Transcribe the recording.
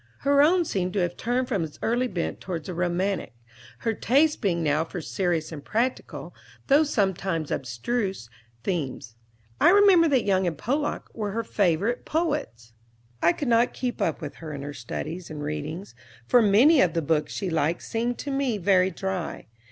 Her own seemed to have turned from its early bent toward the romantic, her taste being now for serious and practical, though sometimes abstruse, themes. I remember that Young and Pollock were her favorite poets. I could not keep up with her in her studies and readings, for many of the books she liked seemed to me very dry.